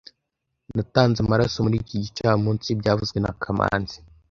Natanze amaraso muri iki gicamunsi byavuzwe na kamanzi